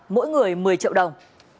mỗi người một mươi triệu đồng